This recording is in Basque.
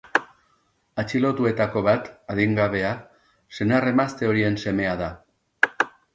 Atxilotuetako bat, adingabea, senar-emazte horien semea da.